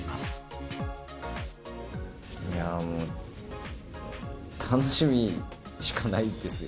もう、楽しみしかないですよ。